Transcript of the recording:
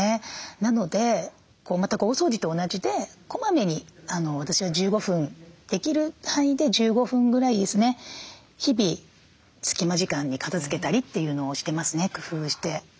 なので全く大掃除と同じで小まめに私は１５分できる範囲で１５分ぐらいですね日々隙間時間に片づけたりっていうのをしてますね工夫して。